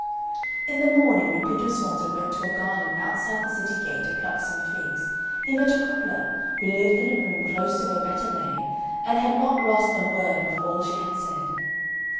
In the morning when Pintosmalto went to a garden outside the city gate to pluck some figs, he met a cobbler, who lived in a room close to where Betta lay and had not lost a word of all she had said.